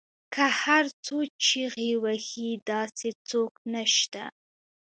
که هر څو چیغې وهي داسې څوک نشته